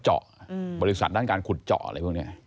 เจาะบริษัทด้านการขุดเจาะอะไรพวกนี้